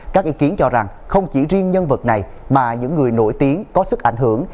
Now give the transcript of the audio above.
các ý kiến cho rằng không chỉ riêng nhân vật này mà những người nổi tiếng có sức ảnh hưởng